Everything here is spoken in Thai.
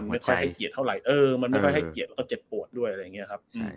ไม่ค่อยให้เกียรติเท่าไหร่เออมันไม่ค่อยให้เกียรติแล้วก็เจ็บปวดด้วยอะไรอย่างนี้ครับ